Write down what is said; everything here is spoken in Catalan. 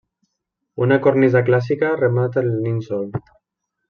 Una cornisa clàssica remata el nínxol.